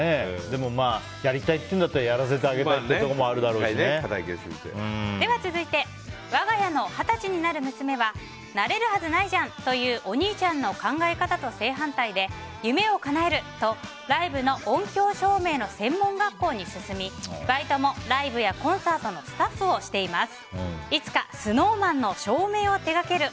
でもまあ、やりたいって言うならやらせてあげたいのも続いて、我が家の二十歳になる娘はなれるはずないじゃんというお兄ちゃんの考え方と正反対で、夢をかなえる！とライブの音響照明の専門学校に進みバイトもライブやコンサートのスタッフをしています。